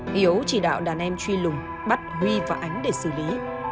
hiếu chỉ đạo đàn em truy lùng bắt huy và ánh để xử lý